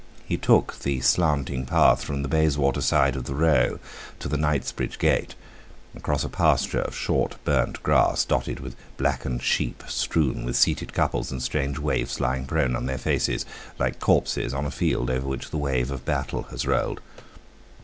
He took the slanting path from the Bayswater side of the Row to the Knightsbridge Gate, across a pasture of short, burnt grass, dotted with blackened sheep, strewn with seated couples and strange waifs; lying prone on their faces, like corpses on a field over which the wave of battle has rolled.